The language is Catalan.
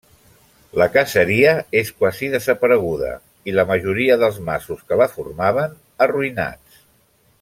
La caseria és quasi desapareguda, i la majoria dels masos que la formaven, arruïnats.